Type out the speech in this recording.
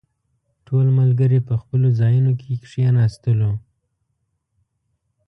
ټول ملګري په خپلو ځايونو کې کښېناستلو.